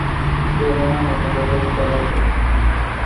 ڳريڻان نو ڀنڌوڀست ڪريَ سي۔